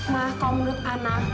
ma kau menurut ana